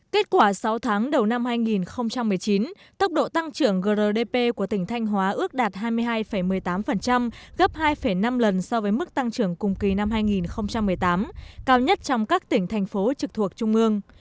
kết quả sáu tháng đầu năm hai nghìn một mươi chín tốc độ tăng trưởng grdp của tỉnh thanh hóa ước đạt hai mươi hai một mươi tám gấp hai năm lần so với mức tăng trưởng cùng kỳ năm hai nghìn một mươi tám cao nhất trong các tỉnh thành phố trực thuộc trung ương